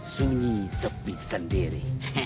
sunyi sepi sendiri